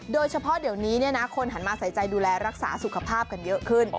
โดยเฉพาะเดี๋ยวนี้คนหันมาใส่ใจดูแลรักษาสุขภาพกันเยอะขึ้น